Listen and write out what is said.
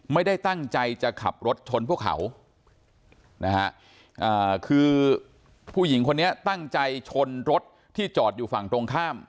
ไม่ได้ตั้งใจจะขับรถชนพวกเขานะฮะคือผู้หญิงคนนี้ตั้งใจชนรถที่จอดอยู่ฝั่งตรงข้าม